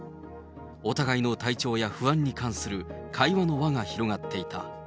お互いの体調や不安に関する会話の輪が広がっていた。